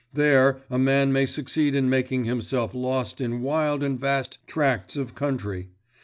There, a man may succeed in making himself lost in wild and vast tracts of country.